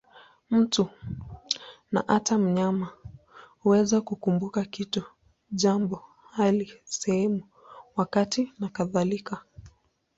Mtu, na hata mnyama, huweza kukumbuka kitu, jambo, hali, sehemu, wakati nakadhalika.